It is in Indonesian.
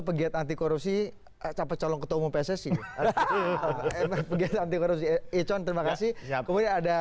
pegiat antikorupsi capai calon ketua umum pssi pegit antikorupsi econ terima kasih kemudian ada